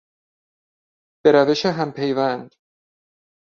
به روش همپیوند